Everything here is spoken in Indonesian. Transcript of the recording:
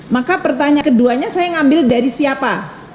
maka pertanyaan keduanya saya ngambil dari siapa